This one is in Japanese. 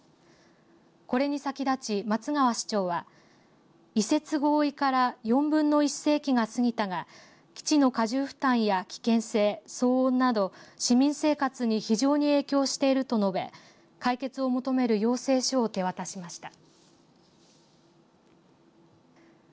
これに先立ち、松川市長は移設合意から４分の１世紀が過ぎたが基地の過重負担や危険性騒音など市民生活に非常に影響していると述べ解決を求める要請書を手渡しました。